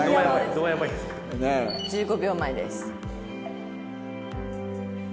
１５秒前です。